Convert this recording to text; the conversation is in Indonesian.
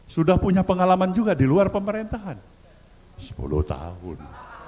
sudah punya pengalaman juga di luar pemerintahan sepuluh tahun